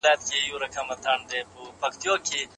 که خوشالي وي، نو زده کوونکي به فعال وي.